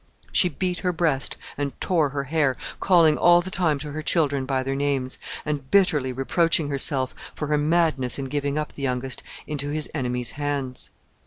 She beat her breast and tore her hair, calling all the time to her children by their names, and bitterly reproaching herself for her madness in giving up the youngest into his enemies' hands.